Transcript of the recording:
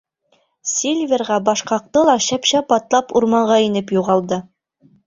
Сильверға баш ҡаҡты ла шәп-шәп атлап урманға инеп юғалды.